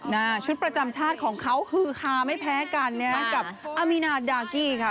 ชุดประจำชาติของเขาฮือฮาไม่แพ้กันนะฮะกับอามีนาดากี้ค่ะ